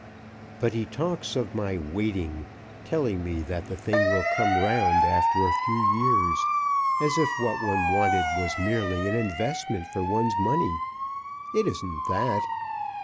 But he talks of my waiting, telling me that the thing will come round after a few years, as if what one wanted was merely an investment for one's money. It isn't that."